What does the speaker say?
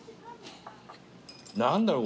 何だろう？